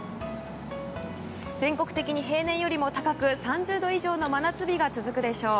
全国的に平年よりも高く３０度以上の真夏日が続くでしょう。